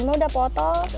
ini udah potong